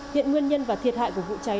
hiện nguyên nhân và thiệt hại của vụ cháy